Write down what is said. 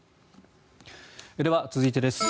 では、続いてです。